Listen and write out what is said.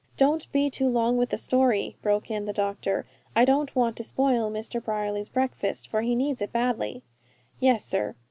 "Don't be too long with the story," broke in the doctor. "I don't want it to spoil Mr. Brierly's breakfast, for he needs it badly." "Yes, sir.